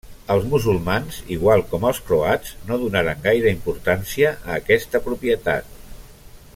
Els musulmans, igual com els croats, no donaren gaire importància a aquesta propietat.